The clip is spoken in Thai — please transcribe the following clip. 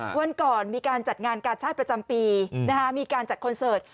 วันก่อนมีการจัดงานกาชาติประจำปีมีการจัดคอนเสิร์ต